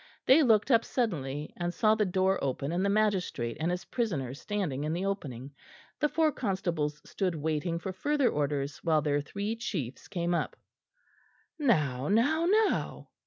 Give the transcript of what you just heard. They looked up suddenly, and saw the door open and the magistrate and his prisoner standing in the opening. The four constables stood waiting for further orders while their three chiefs came up. "Now, now, now!"